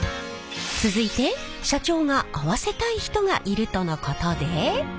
続いて社長が会わせたい人がいるとのことで。